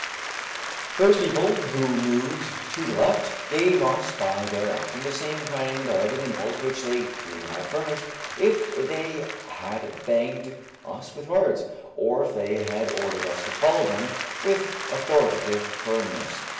Those people who moved to the left gave us by their action the same kind of an impulse which they would have furnished if they had begged us with words, or if they had ordered us to follow them with authoritative firmness.